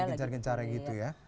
lagi gencar gencar gitu ya